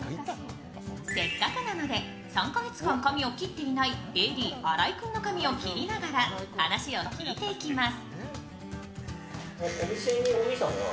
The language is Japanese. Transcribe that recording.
せっかくなので３か月間、髪を切っていないＡＤ・新井君の髪を切りながら話を聞いていきます。